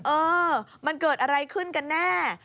เออมันเกิดอะไรขึ้นกันแน่